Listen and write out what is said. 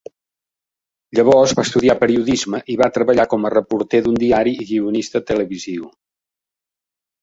Llavors va estudiar periodisme i va treballar com a reporter d'un diari i guionista televisiu.